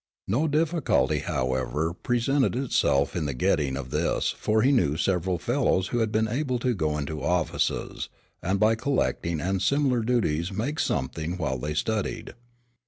No difficulty, however, presented itself in the getting of this for he knew several fellows who had been able to go into offices, and by collecting and similar duties make something while they studied.